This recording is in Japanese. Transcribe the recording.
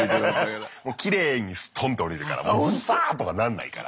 もうきれいにストンと降りるからもうズサーとかなんないから。